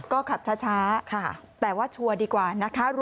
ก็ขับช้าแต่ว่าชัวร์ดีกว่านะคะ